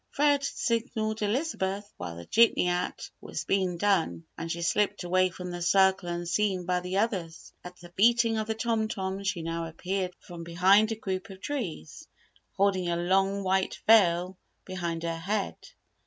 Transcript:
Fred had signalled Elizabeth while the Jitney act was being done, and she slipped away from the circle unseen by the others. At the beating of the tom toms she now appeared from behind a group of trees, holding a long white veil behind her head.